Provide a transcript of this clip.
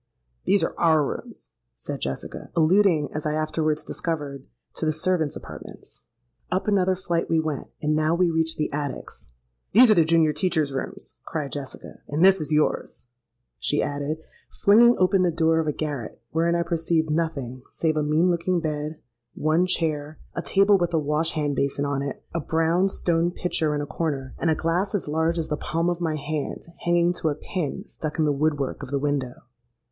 'These are our rooms,' said Jessica—alluding, as I afterwards discovered, to the servants' apartments. Up another flight we went; and now we reached the attics. 'These are the junior teachers' rooms,' cried Jessica, 'and this is yours,' she added, flinging open the door of a garret, wherein I perceived nothing save a mean looking bed, one chair, a table with a wash hand basin on it, a brown stone pitcher in a corner, and a glass as large as the palm of my hand hanging to a pin stuck in the wood work of the window.